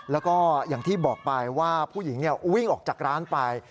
แล้วก็อย่างที่บอกไปว่าผู้หญิงวิ่งออกจากร้านไป